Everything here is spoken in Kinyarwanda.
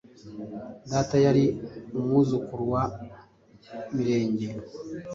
Data yari umwuzukuru wa Mirenge,